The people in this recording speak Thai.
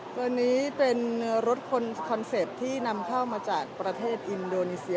ตัวนี้เป็นรถคอนเซ็ปต์ที่นำเข้ามาจากประเทศอินโดนีเซีย